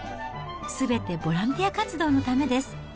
すべてボランティア活動のためです。